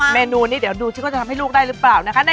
เมนูนี้เดี๋ยวดูสิว่าจะทำให้ลูกได้หรือเปล่านะคะ